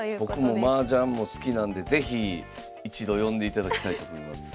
僕もマージャンも好きなんで是非一度呼んでいただきたいと思います。